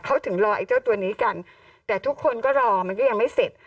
เขาถึงรอไอ้เจ้าตัวนี้กันแต่ทุกคนก็รอมันก็ยังไม่เสร็จ